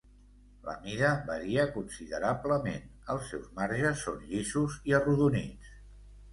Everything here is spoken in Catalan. La mida varia considerablement, els seus marges són llisos i arrodonits.